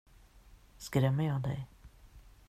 Skrämmer jag dig?